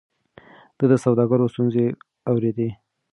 ده د سوداګرو ستونزې اورېدې.